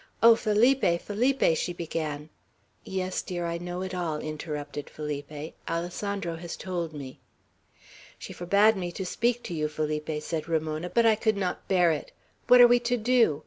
"Oh, Felipe, Felipe!" she began. "Yes, dear, I know it all," interrupted Felipe; "Alessandro has told me." "She forbade me to speak to you, Felipe," said Ramona, "but I could not bear it. What are we to do?